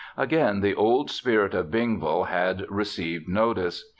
Again the Old Spirit of Bingville had received notice.